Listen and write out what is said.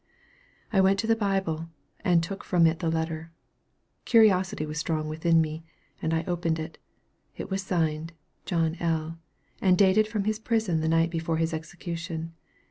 I went to the Bible, and took from it that letter. Curiosity was strong within me, and I opened it. It was signed "John L.," and dated from his prison the night before his execution.